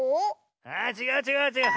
あちがうちがうちがう。